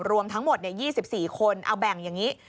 รวมทั้งหมด๒๔คนเอาแบ่งอย่างนี้